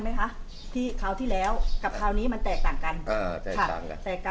ไหมคะที่คราวที่แล้วกับคราวนี้มันแตกต่างกัน